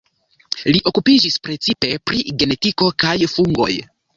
Li okupiĝis precipe pri genetiko kaj fungoj.